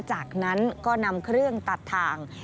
จากนั้นก็นำเครื่องตัดทาง